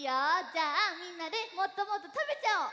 じゃあみんなでもっともっとたべちゃおう！